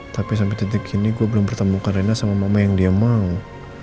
tapi sampai titik ini gue belum bertemu ke reina sama mama yang dia mang